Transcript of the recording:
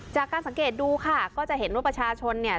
จากการสังเกตดูค่ะก็จะเห็นว่าประชาชนเนี่ย